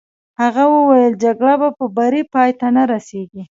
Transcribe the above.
هغه وویل: جګړه په بري پای ته نه رسېږي.